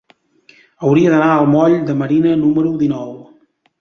Hauria d'anar al moll de Marina número dinou.